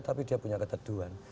tapi dia punya keteduhan